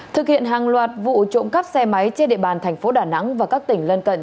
thực hiện hàng loạt vụ trộm cắp xe máy trên địa bàn thành phố đà nẵng và các tỉnh lân cận